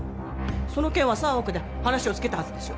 その件は３億で話をつけたはずでしょ